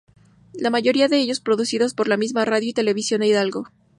La mayoría de ellos producidos por la misma Radio y televisión de hidalgo.